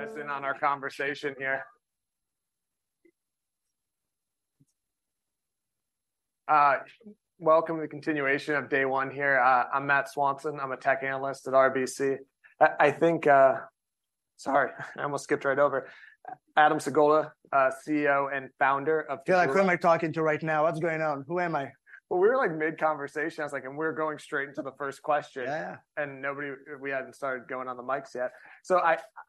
You guys in on our conversation here. Welcome to the continuation of day one here. I'm Matt Swanson, I'm a tech analyst at RBC. Sorry, I almost skipped right over it. Adam Singolda, CEO and founder of Taboola- I feel like who am I talking to right now? What's going on? Who am I? Well, we were like mid-conversation. I was like, "And we're going straight into the first question. Yeah. We hadn't started going on the mics yet. So,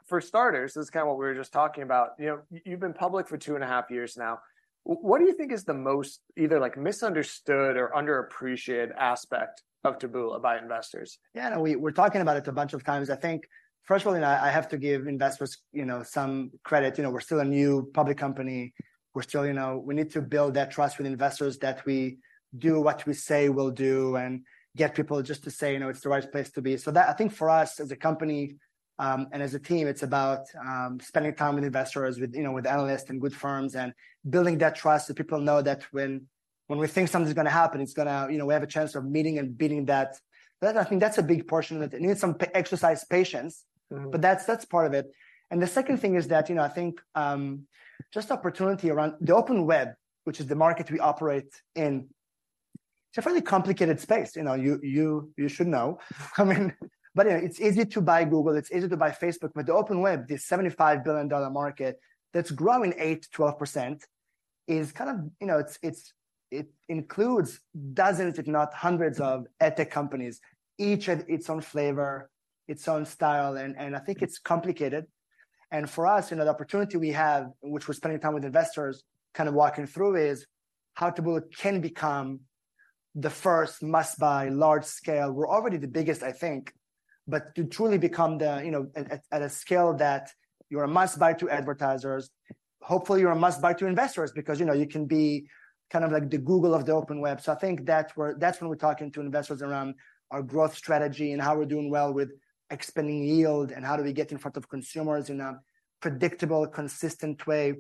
for starters, this is kind of what we were just talking about, you know, you've been public for 2.5 years now. What do you think is the most either, like, misunderstood or under-appreciated aspect of Taboola by investors? Yeah, I know, we're talking about it a bunch of times. I think, first of all, I have to give investors, you know, some credit. You know, we're still a new public company. We're still, you know... We need to build that trust with investors that we do what we say we'll do, and get people just to say, you know, "It's the right place to be." So that, I think for us, as a company, and as a team, it's about spending time with investors, with, you know, with analysts and good firms, and building that trust, so people know that when we think something's gonna happen, it's gonna... You know, we have a chance of meeting and beating that. That, I think that's a big portion of it. It needs some patience- Mm-hmm.... but that's part of it. The second thing is that, you know, I think just opportunity around the Open Web, which is the market we operate in. It's a fairly complicated space. You know, you should know. I mean, you know, it's easy to buy Google, it's easy to buy Facebook, but the Open Web, the $75 billion market that's growing 8%-12% is kind of... You know, it includes dozens, if not hundreds, of ad tech companies, each with its own flavor, its own style, and I think it's complicated. For us, you know, the opportunity we have, which we're spending time with investors kind of walking through, is how Taboola can become the first must-buy, large-scale... We're already the biggest, I think, but to truly become the, you know, at a scale that you're a must-buy to advertisers. Hopefully, you're a must-buy to investors, because, you know, you can be kind of like the Google of the open web. So I think that's where, that's when we're talking to investors around our growth strategy and how we're doing well with expanding yield, and how do we get in front of consumers in a predictable, consistent way.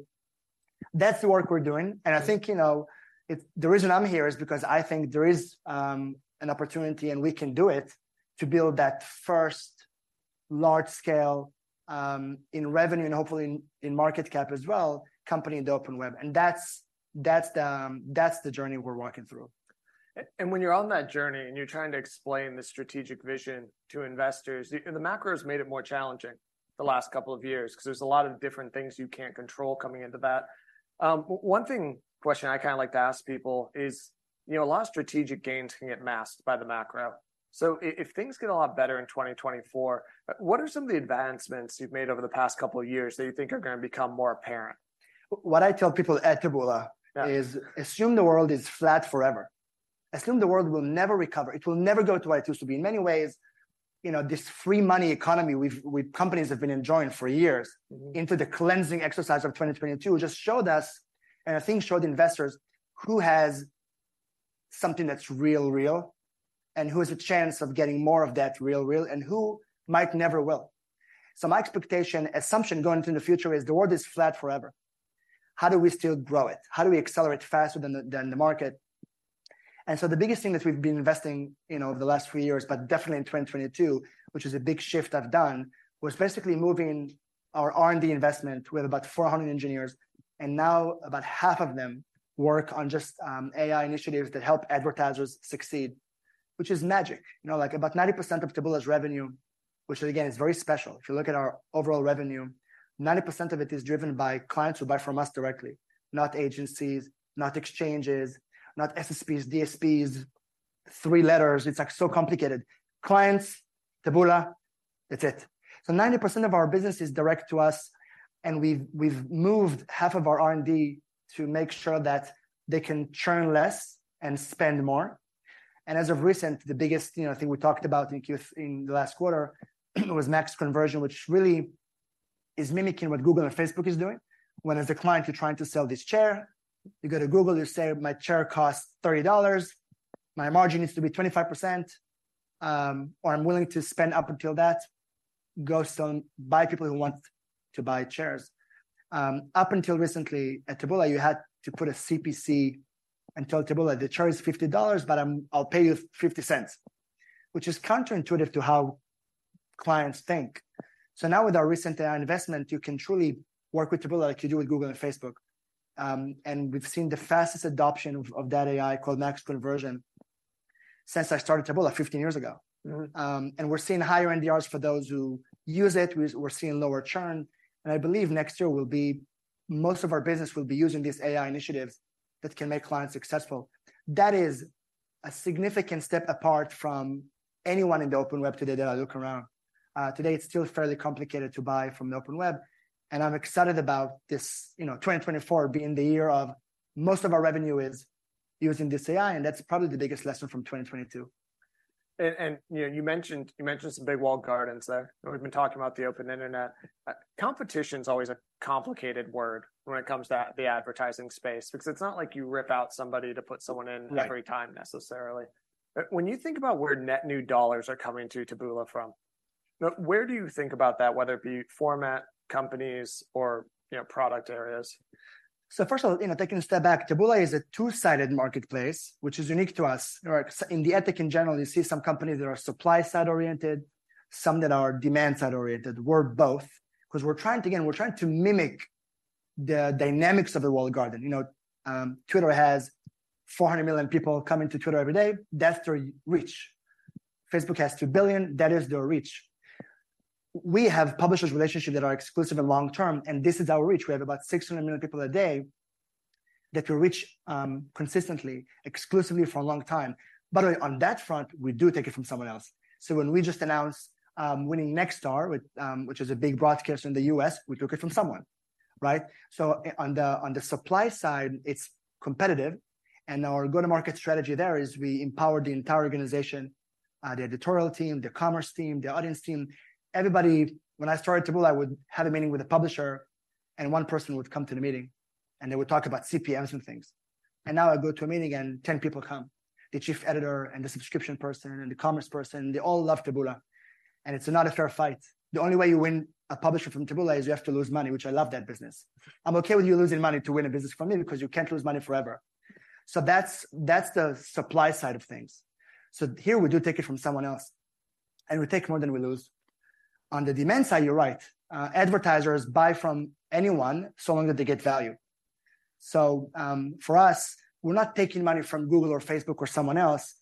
That's the work we're doing. Yeah. I think, you know, it's the reason I'm here is because I think there is an opportunity, and we can do it, to build that first large-scale in revenue and hopefully in market cap as well, company in the open web. And that's the journey we're walking through. And when you're on that journey and you're trying to explain the strategic vision to investors, and the macro has made it more challenging the last couple of years, 'cause there's a lot of different things you can't control coming into that. One thing, question I kind of like to ask people is, you know, a lot of strategic gains can get masked by the macro, so if things get a lot better in 2024, what are some of the advancements you've made over the past couple of years that you think are gonna become more apparent? What I tell people at Taboola- Yeah... is assume the world is flat forever. Assume the world will never recover, it will never go to what it used to be. In many ways, you know, this free money economy companies have been enjoying for years- Mm-hmm... into the cleansing exercise of 2022, just showed us, and I think showed investors, who has something that's real-real, and who has a chance of getting more of that real-real, and who might never will. So my expectation, assumption going into the future is the world is flat forever. How do we still grow it? How do we accelerate faster than the, than the market? And so the biggest thing that we've been investing, you know, over the last few years, but definitely in 2022, which is a big shift I've done, was basically moving our R&D investment. We have about 400 engineers, and now about half of them work on just AI initiatives that help advertisers succeed, which is magic. You know, like, about 90% of Taboola's revenue, which again, is very special, if you look at our overall revenue, 90% of it is driven by clients who buy from us directly, not agencies, not exchanges, not SSPs, DSPs, three letters, it's, like, so complicated. Clients, Taboola, that's it. So 90% of our business is direct to us, and we've, we've moved half of our R&D to make sure that they can churn less and spend more. And as of recent, the biggest, you know, I think we talked about in Q- in the last quarter was Max Conversion, which really is mimicking what Google and Facebook is doing. When, as a client, you're trying to sell this chair, you go to Google, you say, "My chair costs $30, my margin needs to be 25%, or I'm willing to spend up until that. Go sell to people who want to buy chairs." Up until recently, at Taboola, you had to put a CPC and tell Taboola, "The chair is $50, but I'll pay you $0.50," which is counterintuitive to how clients think. So now with our recent AI investment, you can truly work with Taboola like you do with Google and Facebook. And we've seen the fastest adoption of that AI, called Max Conversion, since I started Taboola 15 years ago. Mm-hmm. And we're seeing higher NDRs for those who use it. We're seeing lower churn, and I believe next year will be... Most of our business will be using these AI initiatives that can make clients successful. That is a significant step apart from anyone in the Open Web today that I look around. Today, it's still fairly complicated to buy from the Open Web, and I'm excited about this, you know, 2024 being the year of most of our revenue is using this AI, and that's probably the biggest lesson from 2022. You know, you mentioned some big walled gardens there, and we've been talking about the open internet. Competition's always a complicated word when it comes to the advertising space, because it's not like you rip out somebody to put someone in- Right... every time necessarily. But when you think about where net new dollars are coming to Taboola from, now, where do you think about that, whether it be format, companies, or, you know, product areas? So first of all, you know, taking a step back, Taboola is a two-sided marketplace, which is unique to us. Or in the ad tech in general, you see some companies that are supply-side-oriented, some that are demand-side-oriented. We're both, 'cause we're trying to... Again, we're trying to mimic the dynamics of the walled garden. You know, Twitter has 400 million people coming to Twitter every day. That's their reach. Facebook has 2 billion, that is their reach. We have publishers' relationship that are exclusive and long-term, and this is our reach. We have about 600 million people a day that we reach, consistently, exclusively for a long time. By the way, on that front, we do take it from someone else. So when we just announced winning Nexstar, which is a big broadcaster in the U.S., we took it from someone, right? So on the supply side, it's competitive, and our go-to-market strategy there is we empower the entire organization, the editorial team, the commerce team, the audience team, everybody. When I started Taboola, I would have a meeting with a publisher, and one person would come to the meeting, and they would talk about CPMs and things. And now I go to a meeting, and 10 people come, the chief editor, and the subscription person, and the commerce person, they all love Taboola, and it's not a fair fight. The only way you win a publisher from Taboola is you have to lose money, which I love that business. I'm okay with you losing money to win a business from me because you can't lose money forever. So that's, that's the supply side of things. So here we do take it from someone else, and we take more than we lose. On the demand side, you're right. Advertisers buy from anyone, so long that they get value. So, for us, we're not taking money from Google or Facebook or someone else.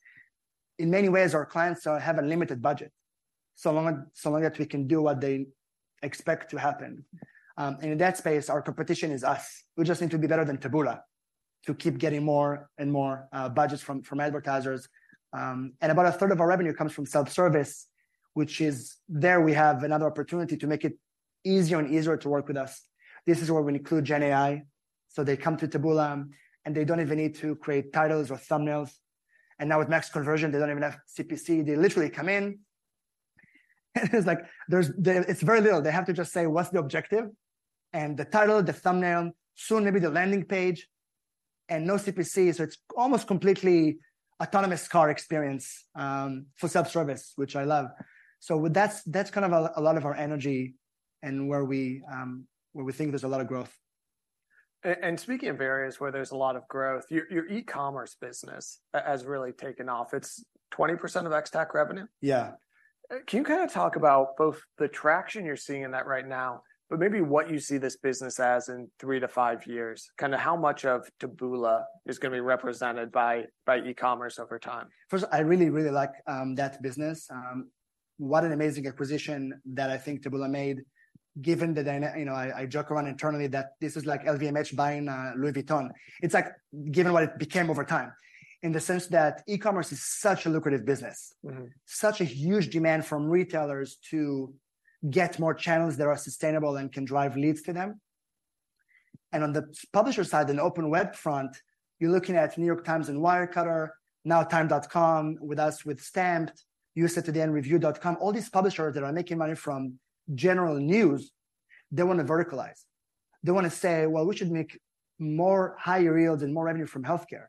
In many ways, our clients have a limited budget, so long, so long that we can do what they expect to happen. And in that space, our competition is us. We just need to be better than Taboola to keep getting more and more budgets from advertisers. And about a 1/3 of our revenue comes from self-service, which is... There we have another opportunity to make it easier and easier to work with us. This is where we include Gen AI, so they come to Taboola, and they don't even need to create titles or thumbnails, and now with Max Conversion, they don't even have CPC. They literally come in, and it's like it's very little. They have to just say what's the objective and the title, the thumbnail, soon maybe the landing page, and no CPC, so it's almost completely autonomous car experience for self-service, which I love. So that's kind of a lot of our energy and where we think there's a lot of growth. And speaking of areas where there's a lot of growth, your e-commerce business has really taken off. It's 20% of xTAC revenue? Yeah. Can you kind of talk about both the traction you're seeing in that right now, but maybe what you see this business as in three to five years? Kind of how much of Taboola is going to be represented by e-commerce over time. First, I really, really like that business. What an amazing acquisition that I think Taboola made, given the, you know, I joke around internally that this is like LVMH buying Louis Vuitton. It's like, given what it became over time, in the sense that e-commerce is such a lucrative business- Mm-hmm. Such a huge demand from retailers to get more channels that are sustainable and can drive leads to them. And on the publisher side, in open web front, you're looking at New York Times and Wirecutter, now TIME.com with us, with Stamped, USA TODAY and Review.com. All these publishers that are making money from general news, they want to verticalize. They want to say: "Well, we should make more higher yields and more revenue from healthcare.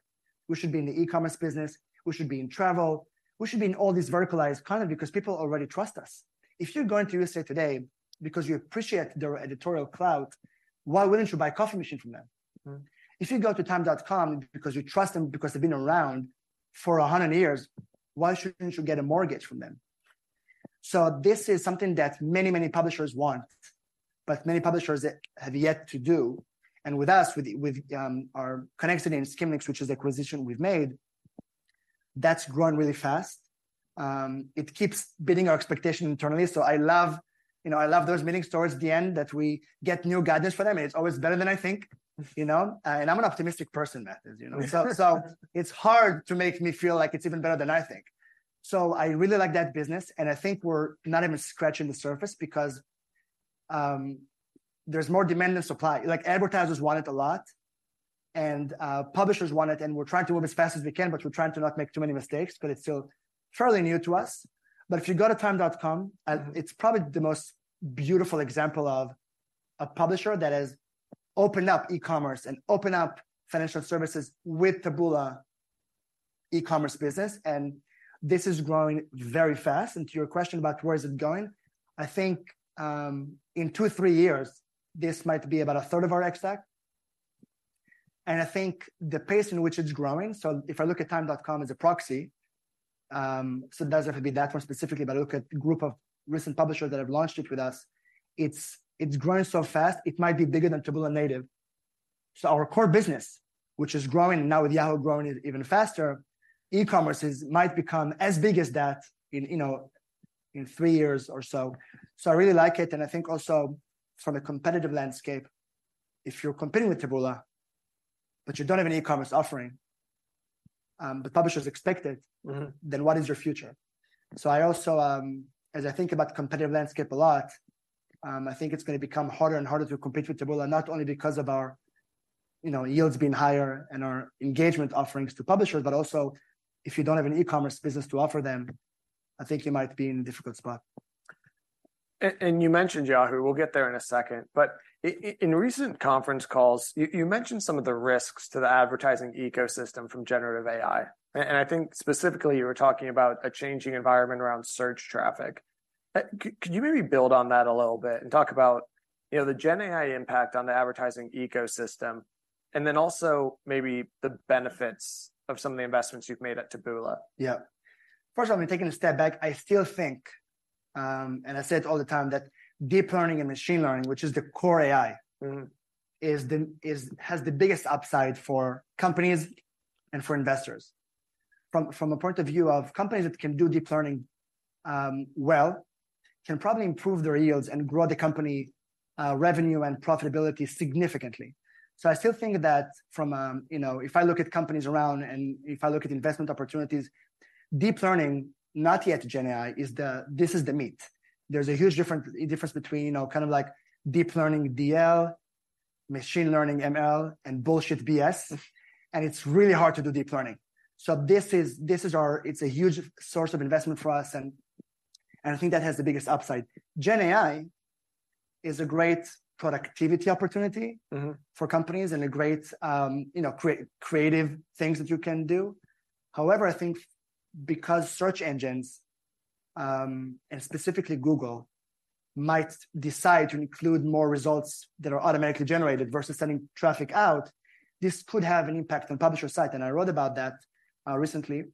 We should be in the e-commerce business. We should be in travel. We should be in all these verticalized kind of-" because people already trust us. If you're going to USA TODAY because you appreciate their editorial clout, why wouldn't you buy a coffee machine from them? Mm. If you go to TIME.com because you trust them, because they've been around for 100 years, why shouldn't you get a mortgage from them? So this is something that many, many publishers want, but many publishers yet to do. And with us, with, with, our Connexity and Skimlinks, which is the acquisition we've made, that's growing really fast. It keeps beating our expectation internally. So I love, you know, I love those meeting towards the end that we get new guidance for them, and it's always better than I think, you know. And I'm an optimistic person, Matthew, you know. So, so it's hard to make me feel like it's even better than I think. So I really like that business, and I think we're not even scratching the surface because, there's more demand than supply. Like, advertisers want it a lot, and publishers want it, and we're trying to build as fast as we can, but we're trying to not make too many mistakes, but it's still fairly new to us. If you go to TIME.com, it's probably the most beautiful example of a publisher that has opened up e-commerce and opened up financial services with Taboola e-commerce business, and this is growing very fast. To your question about where is it going, I think, in two to three years, this might be about a third of our xTAC. I think the pace in which it's growing, so if I look at TIME.com as a proxy, so it doesn't have to be that one specifically, but look at group of recent publishers that have launched it with us, it's growing so fast, it might be bigger than Taboola native. So our core business, which is growing, and now with Yahoo growing it even faster, e-commerce might become as big as that in, you know, in three years or so. So I really like it, and I think also from a competitive landscape, if you're competing with Taboola, but you don't have an e-commerce offering, the publishers expect it. Mm-hmm... then what is your future? So I also, as I think about competitive landscape a lot, I think it's going to become harder and harder to compete with Taboola, not only because of our, you know, yields being higher and our engagement offerings to publishers, but also, if you don't have an e-commerce business to offer them, I think you might be in a difficult spot. And you mentioned Yahoo! We'll get there in a second. But in recent conference calls, you mentioned some of the risks to the advertising ecosystem from generative AI, and I think specifically you were talking about a changing environment around search traffic. Could you maybe build on that a little bit and talk about, you know, the Gen AI impact on the advertising ecosystem, and then also maybe the benefits of some of the investments you've made at Taboola? Yeah. First of all, I'm taking a step back. I still think, and I said all the time that Deep Learning and Machine Learning, which is the core AI- Mm-hmm. It has the biggest upside for companies and for investors. From a point of view of companies that can do Deep Learning, well, can probably improve their yields and grow the company revenue and profitability significantly. So I still think that from a, you know, if I look at companies around, and if I look at investment opportunities, Deep Learning, not yet Gen AI, is this the meat. There's a huge difference between, you know, kind of like Deep Learning, DL, Machine Learning, ML, and bullshit, BS. And it's really hard to do Deep Learning. So this is our... It's a huge source of investment for us, and I think that has the biggest upside. Gen AI is a great productivity opportunity- Mm-hmm. - for companies and a great, you know, creative things that you can do. However, I think because search engines, and specifically Google, might decide to include more results that are automatically generated versus sending traffic out, this could have an impact on publisher site, and I wrote about that, recently.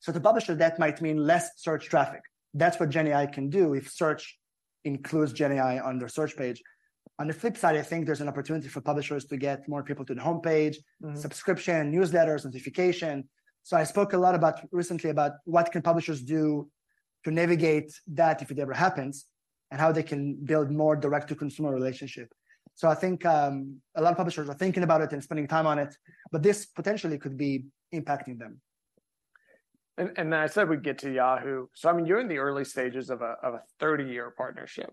So the publisher, that might mean less search traffic. That's what Gen AI can do if search includes Gen AI on their search page. On the flip side, I think there's an opportunity for publishers to get more people to the homepage- Mm. subscription, newsletters, notification. So I spoke a lot about, recently about what can publishers do to navigate that, if it ever happens, and how they can build more direct-to-consumer relationship. So I think a lot of publishers are thinking about it and spending time on it, but this potentially could be impacting them. And I said we'd get to Yahoo! So I mean, you're in the early stages of a 30-year partnership.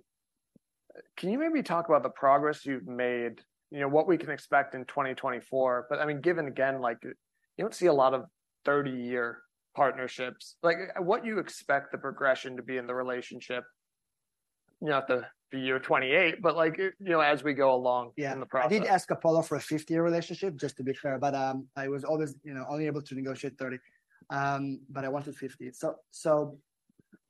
Can you maybe talk about the progress you've made, you know, what we can expect in 2024? But I mean, given again, like, you don't see a lot of 30-year partnerships. Like, what you expect the progression to be in the relationship, not the year 28, but like, you know, as we go along- Yeah... in the process? I did ask Apollo for a 50-year relationship, just to be fair, but I was always, you know, only able to negotiate 30. But I wanted 50.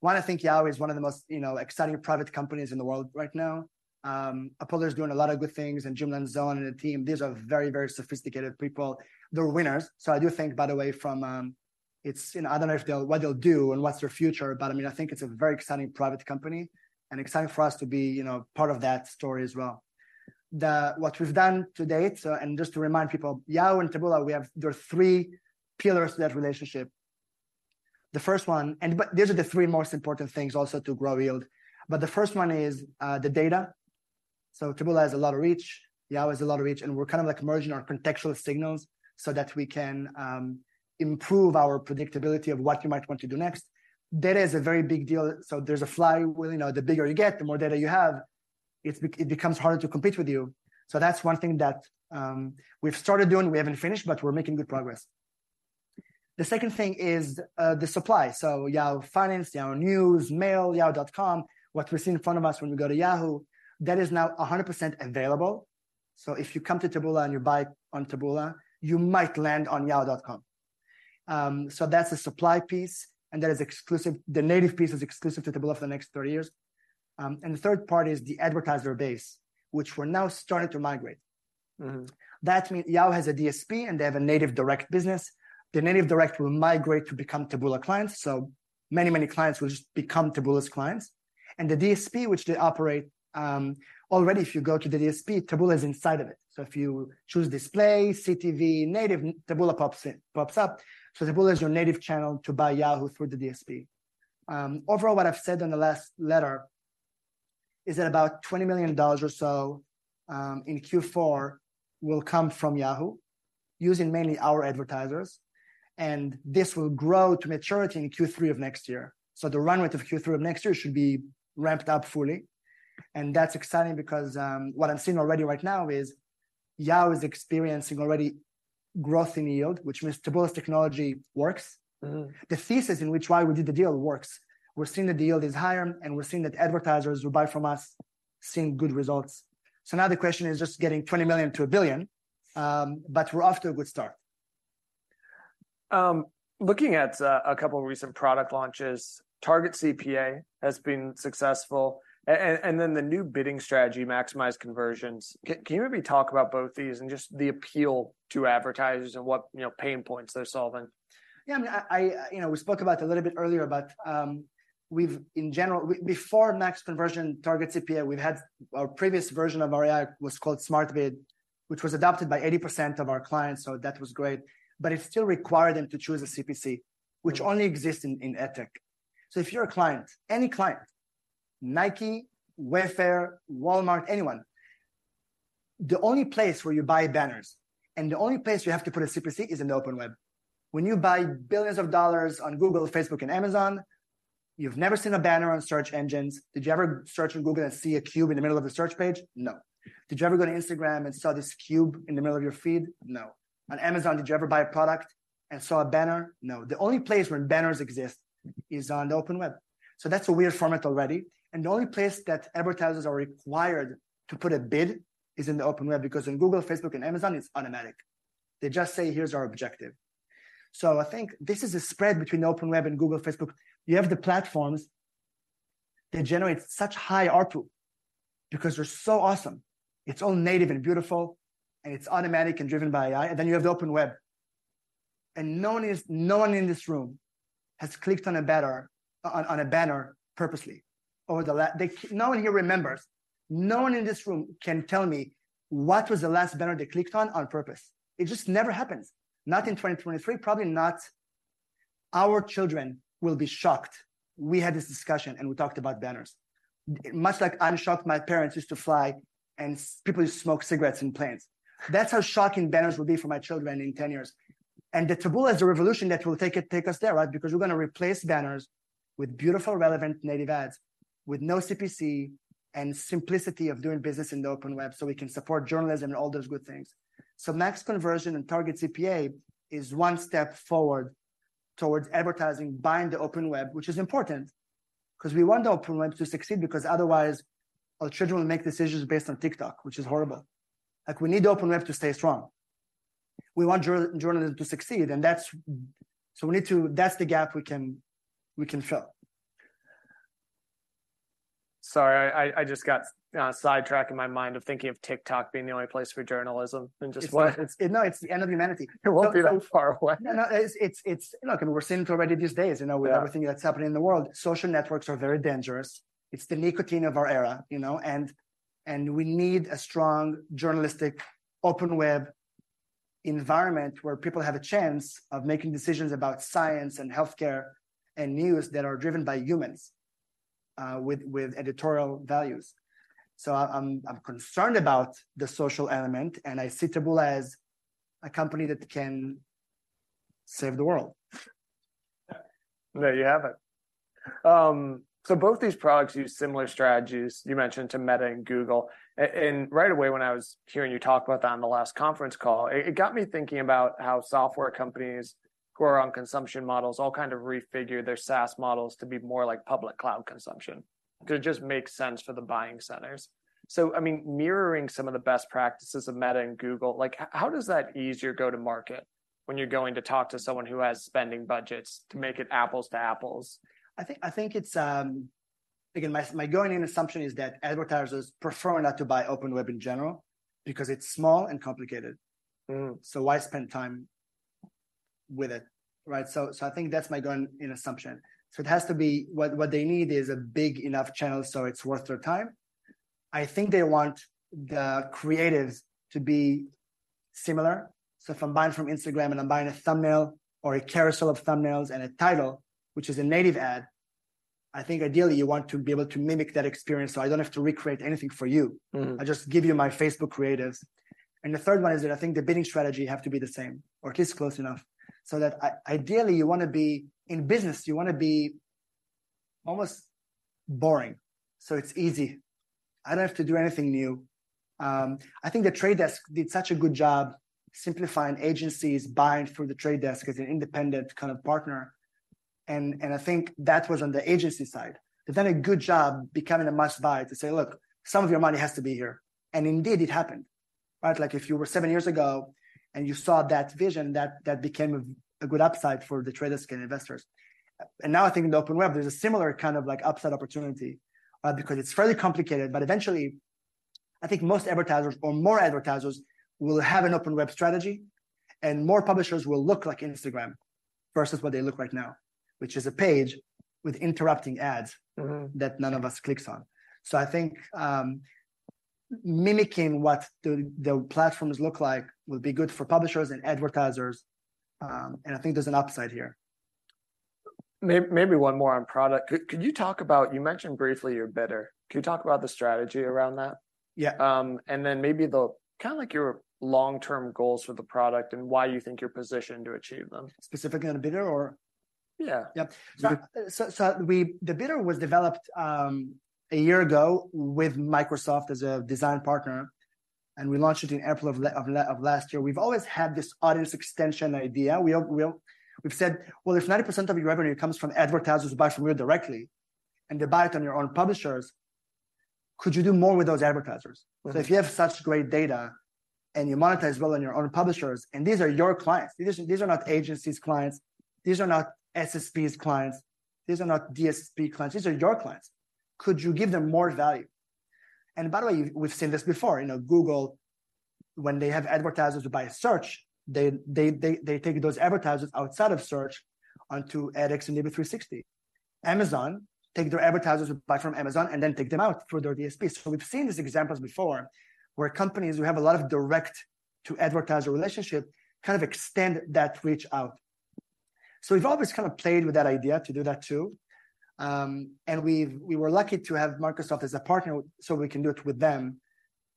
One, I think Yahoo! is one of the most, you know, exciting private companies in the world right now. Apollo's doing a lot of good things, and Jim Lanzone and the team, these are very, very sophisticated people. They're winners. So I do think, by the way, you know, I don't know if they'll, what they'll do and what's their future, but I mean, I think it's a very exciting private company and exciting for us to be, you know, part of that story as well. What we've done to date, and just to remind people, Yahoo! and Taboola, we have, there are three pillars to that relationship. The first one... These are the three most important things also to grow yield. But the first one is the data. So Taboola has a lot of reach, Yahoo has a lot of reach, and we're kind of, like, merging our contextual signals so that we can improve our predictability of what you might want to do next. Data is a very big deal, so there's a flywheel, you know, the bigger you get, the more data you have, it becomes harder to compete with you. So that's one thing that we've started doing. We haven't finished, but we're making good progress. The second thing is the supply. So Yahoo Finance, Yahoo News, Mail, yahoo.com, what we see in front of us when we go to Yahoo, that is now 100% available. So if you come to Taboola and you buy on Taboola, you might land on Yahoo.com. So that's the supply piece, and that is exclusive, the native piece is exclusive to Taboola for the next 30 years. And the third part is the advertiser base, which we're now starting to migrate. Mm-hmm. That means Yahoo! has a DSP, and they have a native direct business. The native direct will migrate to become Taboola clients, so many, many clients will just become Taboola's clients. And the DSP, which they operate, already, if you go to the DSP, Taboola is inside of it. So if you choose Display, CTV, Native, Taboola pops in, pops up. So Taboola is your native channel to buy Yahoo! through the DSP. Overall, what I've said in the last letter is that about $20 million or so in Q4 will come from Yahoo!, using mainly our advertisers, and this will grow to maturity in Q3 of next year. So the run rate of Q3 of next year should be ramped up fully, and that's exciting because what I'm seeing already right now is Yahoo! is experiencing already growth in yield, which means Taboola's technology works. Mm. The thesis in which why we did the deal works. We're seeing the yield is higher, and we're seeing that advertisers who buy from us seeing good results. So now the question is just getting $20 million to $1 billion, but we're off to a good start. Looking at a couple recent product launches, Target CPA has been successful, and then the new bidding strategy, Maximize Conversions. Can you maybe talk about both these and just the appeal to advertisers and what, you know, pain points they're solving? Yeah, I mean, you know, we spoke about it a little bit earlier, about, we've, in general, before Max Conversion, Target CPA, we've had our previous version of AI was called Smart Bid, which was adopted by 80% of our clients, so that was great, but it still required them to choose a CPC, which only exists in ad tech. So if you're a client, any client, Nike, Wayfair, Walmart, anyone, the only place where you buy banners and the only place you have to put a CPC is in the open web. When you buy billions of dollars on Google, Facebook, and Amazon, you've never seen a banner on search engines. Did you ever search on Google and see a cube in the middle of the search page? No. Did you ever go to Instagram and saw this cube in the middle of your feed? No. On Amazon, did you ever buy a product and saw a banner? No. The only place where banners exist is on the open web. So that's a weird format already, and the only place that advertisers are required to put a bid is in the open web, because on Google, Facebook, and Amazon, it's automatic. They just say, "Here's our objective." So I think this is a spread between open web and Google, Facebook. You have the platforms that generate such high ARPU because they're so awesome. It's all native and beautiful, and it's automatic and driven by AI, and then you have the open web.... No one in this room has clicked on a banner purposely. No one here remembers. No one in this room can tell me what was the last banner they clicked on purpose. It just never happens. Not in 2023, probably not... Our children will be shocked. We had this discussion, and we talked about banners. Much like I'm shocked my parents used to fly, and people used to smoke cigarettes in planes. That's how shocking banners will be for my children in 10 years. Taboola is a revolution that will take us there, right? Because we're gonna replace banners with beautiful, relevant, native ads, with no CPC and simplicity of doing business in the Open Web, so we can support journalism and all those good things. So Max Conversion and Target CPA is one step forward towards advertising buying the open web, which is important, 'cause we want the open web to succeed, because otherwise, our children will make decisions based on TikTok, which is horrible. Like, we need the open web to stay strong. We want journalism to succeed, and that's the gap we can fill. Sorry, I just got sidetracked in my mind of thinking of TikTok being the only place for journalism, and just what... It's, no, it's the end of humanity. It won't be that far away. No, no, it's, look, and we're seeing it already these days, you know- Yeah... with everything that's happening in the world. Social networks are very dangerous. It's the nicotine of our era, you know? And we need a strong journalistic, Open Web environment, where people have a chance of making decisions about science and healthcare and news that are driven by humans, with editorial values. So I'm concerned about the social element, and I see Taboola as a company that can save the world. There you have it. So both these products use similar strategies, you mentioned to Meta and Google. And right away, when I was hearing you talk about that on the last conference call, it got me thinking about how software companies who are on consumption models all kind of refigure their SaaS models to be more like public cloud consumption. It just makes sense for the buying centers. So, I mean, mirroring some of the best practices of Meta and Google, like, how does that ease your go-to-market when you're going to talk to someone who has spending budgets to make it apples to apples? I think it's. Again, my going-in assumption is that advertisers prefer not to buy Open Web in general, because it's small and complicated. Mm. So why spend time with it, right? So, so I think that's my going-in assumption. So it has to be, what, what they need is a big enough channel so it's worth their time. I think they want the creatives to be similar. So if I'm buying from Instagram, and I'm buying a thumbnail or a carousel of thumbnails and a title, which is a native ad, I think ideally you want to be able to mimic that experience, so I don't have to recreate anything for you. Mm. I just give you my Facebook creatives. And the third one is that I think the bidding strategy have to be the same or at least close enough. So that ideally, you wanna be... In business, you wanna be almost boring, so it's easy. I don't have to do anything new. I think The Trade Desk did such a good job simplifying agencies buying through The Trade Desk as an independent kind of partner, and I think that was on the agency side. They've done a good job becoming a must-buy to say, "Look, some of your money has to be here." And indeed, it happened, right? Like, if you were seven years ago, and you saw that vision, that became a good upside for The Trade Desk and investors. Now, I think in the Open Web, there's a similar kind of, like, upside opportunity, because it's fairly complicated, but eventually, I think most advertisers or more advertisers will have an Open Web strategy, and more publishers will look like Instagram versus what they look like now, which is a page with interrupting ads- Mm-hmm... that none of us clicks on. So I think, mimicking what the platforms look like will be good for publishers and advertisers, and I think there's an upside here. Maybe one more on product. Could you talk about... You mentioned briefly your bidder. Can you talk about the strategy around that? Yeah. And then maybe kinda like your long-term goals for the product, and why you think you're positioned to achieve them. Specifically on the bidder or- Yeah. Yep. You- So the bidder was developed a year ago with Microsoft as a design partner, and we launched it in April of last year. We've always had this audience extension idea. We've said, "Well, if 90% of your revenue comes from advertisers who buy from you directly, and they buy it on your own publishers, could you do more with those advertisers? Mm. So if you have such great data, and you monetize well on your own publishers, and these are your clients, these are not agencies' clients, these are not SSPs' clients, these are not DSP clients, these are your clients, could you give them more value?" And by the way, we've seen this before. You know, Google, when they have advertisers who buy a search, they take those advertisers outside of search onto Ads and maybe 360. Amazon take their advertisers who buy from Amazon, and then take them out through their DSP. So we've seen these examples before, where companies who have a lot of direct-to-advertiser relationship kind of extend that reach out. So we've always kind of played with that idea to do that, too. And we were lucky to have Microsoft as a partner, so we can do it with them.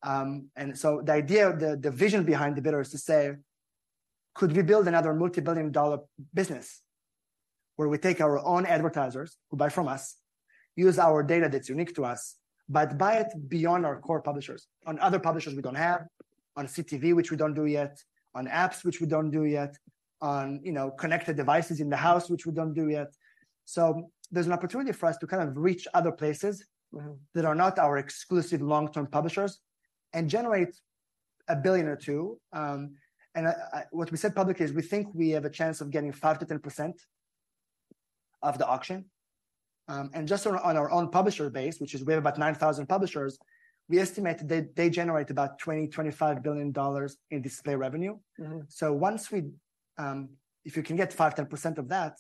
and so the idea, the vision behind the bidder is to say, "Could we build another multi-billion dollar business, where we take our own advertisers who buy from us, use our data that's unique to us, but buy it beyond our core publishers, on other publishers we don't have, on CTV, which we don't do yet, on apps, which we don't do yet, on, you know, connected devices in the house, which we don't do yet?" So there's an opportunity for us to kind of reach other places- Mm-hmm... that are not our exclusive long-term publishers and generate $1 billion or $2 billion. And what we said publicly is we think we have a chance of getting 5%-10% of the auction. And just on our own publisher base, which is we have about 9,000 publishers, we estimate they generate about $20 billion-$25 billion in display revenue. Mm-hmm. Once we, if you can get 5%-10% of that,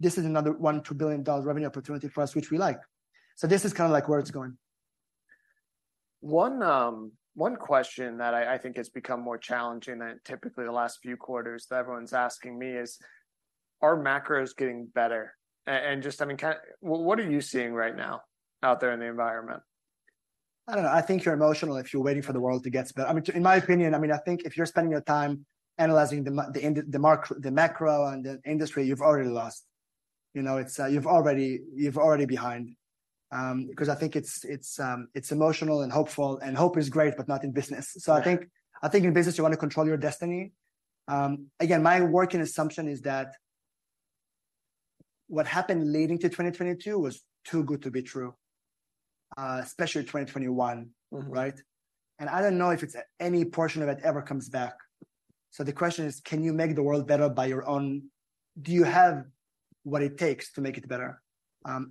this is another $1 billion-$2 billion revenue opportunity for us, which we like. This is kind of like where it's going. One question that I think has become more challenging than typically the last few quarters that everyone's asking me is, are macros getting better? And just, I mean, kind of what are you seeing right now out there in the environment? I don't know. I think you're emotional if you're waiting for the world to get better. I mean, in my opinion, I mean, I think if you're spending your time analyzing the macro and the industry, you've already lost. You know, it's, you've already, you're already behind. Because I think it's, it's, it's emotional and hopeful, and hope is great, but not in business. Yeah. So I think, I think in business you want to control your destiny. Again, my working assumption is that what happened leading to 2022 was too good to be true, especially 2021, right? Mm-hmm. I don't know if it's any portion of it ever comes back. So the question is, can you make the world better by your own... Do you have what it takes to make it better?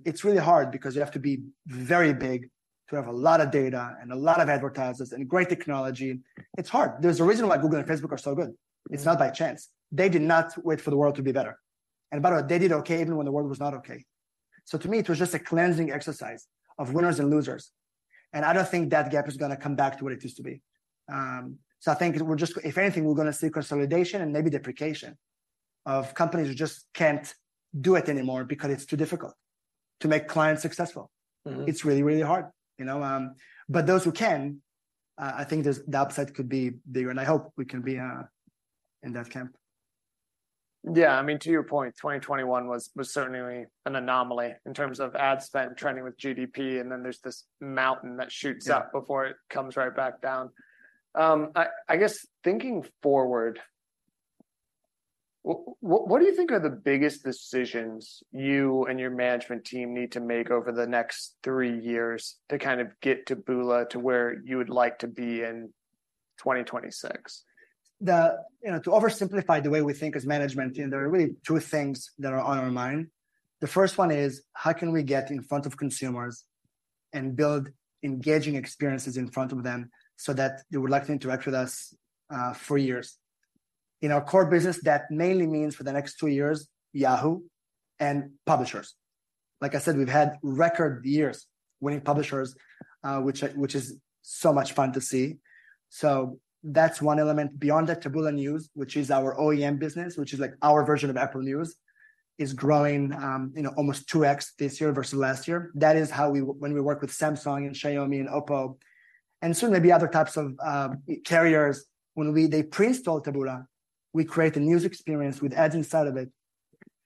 It's really hard because you have to be very big to have a lot of data and a lot of advertisers and great technology. It's hard. There's a reason why Google and Facebook are so good. It's not by chance. They did not wait for the world to be better. And by the way, they did okay even when the world was not okay. So to me, it was just a cleansing exercise of winners and losers, and I don't think that gap is gonna come back to what it used to be. So, I think if anything, we're gonna see consolidation and maybe deprecation of companies who just can't do it anymore because it's too difficult to make clients successful. Mm-hmm. It's really, really hard, you know? But those who can, I think the upside could be bigger, and I hope we can be in that camp. Yeah. I mean, to your point, 2021 was certainly an anomaly in terms of ad spend trending with GDP, and then there's this mountain that shoots up- Yeah... before it comes right back down. I guess, thinking forward, what do you think are the biggest decisions you and your management team need to make over the next three years to kind of get Taboola to where you would like to be in 2026? You know, to oversimplify the way we think as management, and there are really two things that are on our mind. The first one is, how can we get in front of consumers and build engaging experiences in front of them so that they would like to interact with us for years? In our core business, that mainly means for the next two years, Yahoo and publishers. Like I said, we've had record years winning publishers, which is so much fun to see. So that's one element. Beyond that, Taboola News, which is our OEM business, which is like our version of Apple News, is growing almost 2x this year versus last year. That is how we... When we work with Samsung and Xiaomi and Oppo, and soon there'll be other types of carriers. When they pre-install Taboola, we create a news experience with ads inside of it,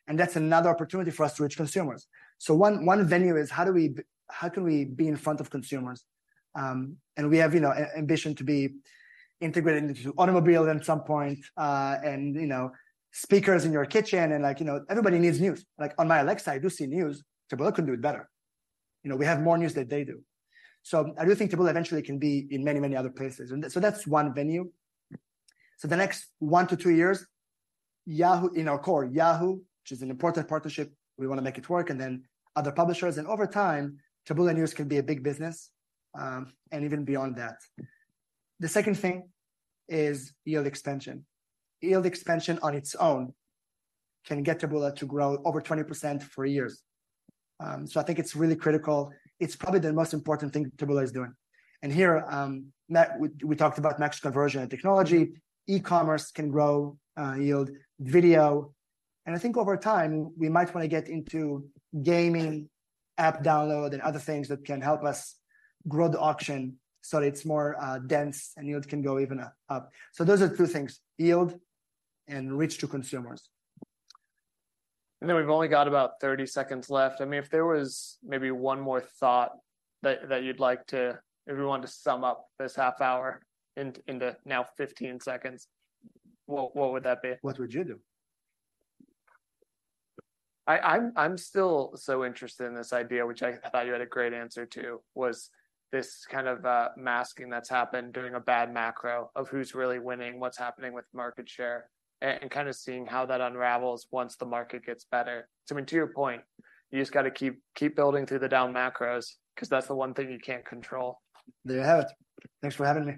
and that's another opportunity for us to reach consumers. So one venue is how can we be in front of consumers? And we have, you know, ambition to be integrated into automobiles at some point, and, you know, speakers in your kitchen and like, you know, everybody needs news. Like, on my Alexa, I do see news. Taboola could do it better. You know, we have more news than they do. So I do think Taboola eventually can be in many, many other places. And so that's one venue. So the next one to two years, in our core, Yahoo!, which is an important partnership, we want to make it work, and then other publishers. Over time, Taboola News can be a big business, and even beyond that. The second thing is yield expansion. Yield expansion on its own can get Taboola to grow over 20% for years. So I think it's really critical. It's probably the most important thing Taboola is doing. And here, we talked about Max Conversion and technology. E-commerce can grow yield, video, and I think over time we might want to get into gaming, app download, and other things that can help us grow the auction so it's more dense and yield can go even up. So those are two things: yield and reach to consumers. Then we've only got about 30 seconds left. I mean, if there was maybe one more thought that, that you'd like to... If you wanted to sum up this half hour into, into now 15 seconds, what, what would that be? What would you do? I'm still so interested in this idea, which I thought you had a great answer to, was this kind of masking that's happened during a bad macro of who's really winning, what's happening with market share, and kind of seeing how that unravels once the market gets better. So I mean, to your point, you just gotta keep building through the down macros, 'cause that's the one thing you can't control. There you have it. Thanks for having me.